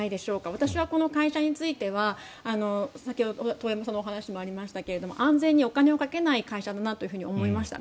私はこの会社については先ほど遠山さんの話にもありましたが安全にお金をかけない会社だなと思いました。